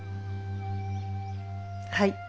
はい。